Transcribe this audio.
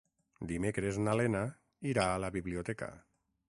Dimecres na Lena irà a la biblioteca.